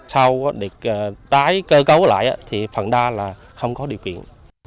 sau đó để tái cơ cấu lại thì phần đa là không có điều kiện